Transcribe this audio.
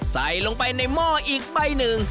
ใส่ลงไปในหม้ออีกใบหนึ่ง